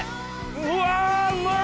うわうまい！